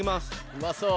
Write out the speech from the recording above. うまそう。